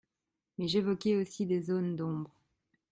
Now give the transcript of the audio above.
Mais j’évoquais aussi des zones d’ombre.